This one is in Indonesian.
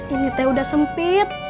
ini teh udah sempit